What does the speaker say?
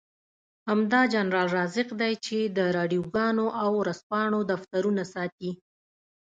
همدا جنرال رازق دی چې د راډيوګانو او ورځپاڼو دفترونه ساتي.